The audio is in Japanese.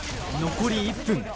残り１分